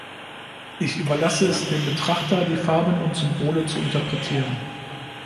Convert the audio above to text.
Ich überlasse es dem Betrachter, die Farben und Symbole zu interpretieren.